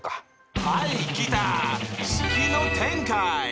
はい来た「式の展開」！